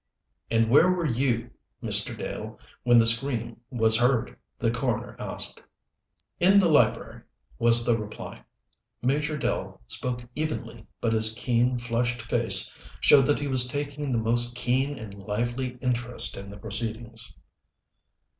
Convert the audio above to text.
"And where were you, Mr. Dell, when the scream was heard?" the coroner asked. "In the library," was the reply. Major Dell spoke evenly, but his keen, flushed face showed that he was taking the most keen and lively interest in the proceedings.